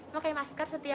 memakai masker setiap kemas